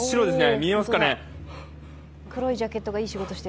見えますかね。